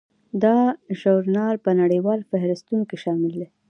دا ژورنال په نړیوالو فهرستونو کې شامل دی.